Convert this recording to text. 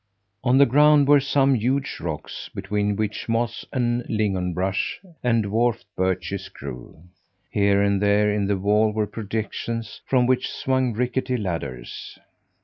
On the ground were some huge rocks, between which moss and lignon brush and dwarfed birches grew. Here and there in the wall were projections, from which swung rickety ladders.